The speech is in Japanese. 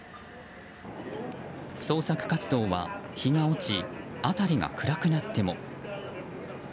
捜索活動は日が落ち、辺りが暗くなっても。